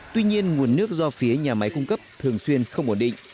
tuy nhiên nguồn nước do phía nhà máy cung cấp thường xuyên không ổn định